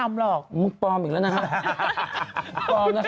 สวัสดิต